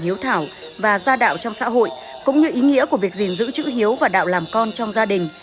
hiếu thảo và gia đạo trong xã hội cũng như ý nghĩa của việc gìn giữ chữ hiếu và đạo làm con trong gia đình